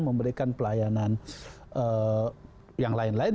memberikan pelayanan yang lain lain